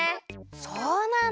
そうなんだ！